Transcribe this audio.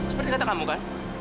seperti kata kamu kan